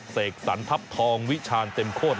เสกสรรทัพทองวิชาญเต็มโคตร